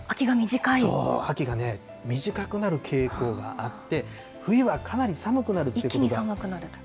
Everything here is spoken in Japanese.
そう、秋が短くなる傾向があって、冬はかなり寒くなるということが。